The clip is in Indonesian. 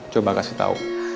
coba kasih tau